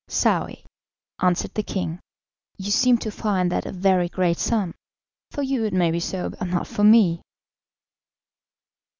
"Saouy," answered the king, "you seem to find that a very great sum. For you it may be so, but not for me."